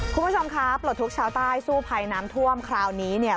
คุณผู้ชมครับปลดทุกข์ชาวใต้สู้ภัยน้ำท่วมคราวนี้เนี่ย